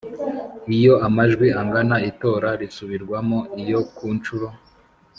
Iyo amajwi angana itora risubirwamo Iyo ku nshuro